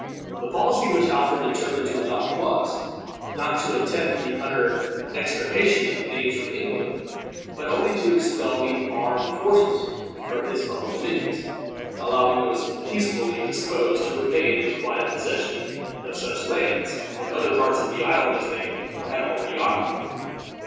The policy which Alfred determined to adopt was, not to attempt the utter extirpation of the Danes from England, but only to expel the armed forces from his own dominions, allowing those peaceably disposed to remain in quiet possession of such lands in other parts of the island as they already occupied.